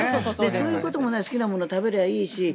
そういうこともないし好きなものを食べりゃいいし。